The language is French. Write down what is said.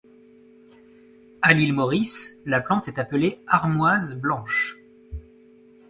A l'île Maurice, la plante est appelée armoise blanche.